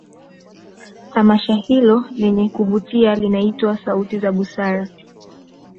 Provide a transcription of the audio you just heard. Tamasha Hilo lenye kuvutia linaitwa sauti za busara